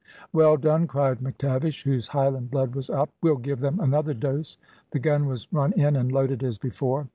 "Well done!" cried McTavish, whose Highland blood was up, "we'll give them another dose." The gun was run in and loaded as before.